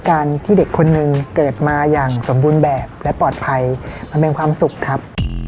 การที่เด็กคนหนึ่งเกิดมาอย่างสมบูรณ์แบบและปลอดภัยมันเป็นความสุขครับ